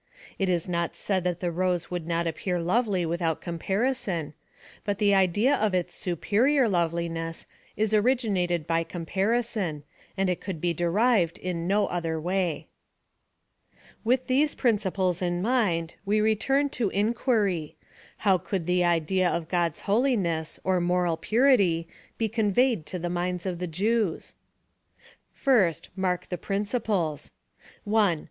It is not said that the rose would not appear lovely without comparison, tut the idea of its superior loveliness is originated by comparison, and it could be derived in no other way. With these principles in mind, we return to the in quiry, How could the idea of God's holiness^ or mo ral jmrity^ he conveyed to the miuds of the Jeics 1 PLAN OP SALVATION. 96 First, mark the principles — (1.)